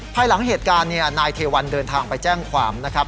ภายหลังเหตุการณ์เนี่ยนายเทวันเดินทางไปแจ้งความนะครับ